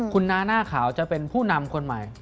คุณน้าหน้าขาวจะเป็นผู้นำคนใหม่